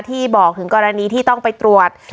บอกถึงกรณีที่ต้องไปตรวจ